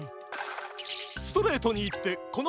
ストレートにいってこのひとです。